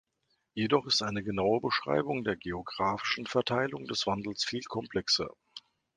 Jedoch ist eine genaue Beschreibung der geographischen Verteilung des Wandels viel komplexer.